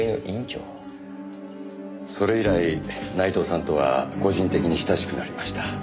それ以来内藤さんとは個人的に親しくなりました。